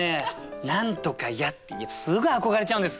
「何とかや」ってすぐ憧れちゃうんです。